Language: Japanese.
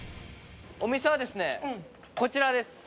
お店はですねこちらです。